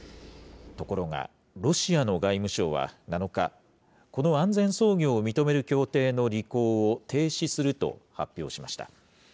ところが、ロシアの外務省は７日、この安全操業を認める協定の履行を停止すると発表しました。